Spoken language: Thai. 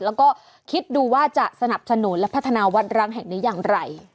แล้วก็คิดดูว่าจะสนับสนุนและพัฒนาวัดร้างแห่งนี้อย่างไร